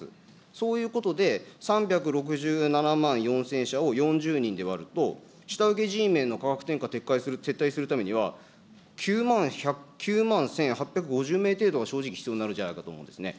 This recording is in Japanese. そういうことで、３６７万４０００社を４０人で割ると、下請けＧメンの価格転嫁撤退するためには、９万１８５０名程度が正直必要になるんじゃないかと思うんですね。